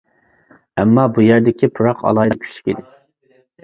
ئەمما بۇ يەردىكى پۇراق ئالاھىدە كۈچلۈك ئىدى.